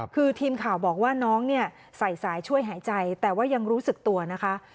คือทีมข่าวบอกว่าน้องเนี่ยใส่สายช่วยหายใจแต่ว่ายังรู้สึกตัวนะคะ